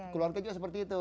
keluarga juga seperti itu